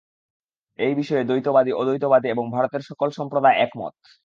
এই বিষয়ে দ্বৈতবাদী, অদ্বৈতবাদী এবং ভারতের সকল সম্প্রদায় একমত।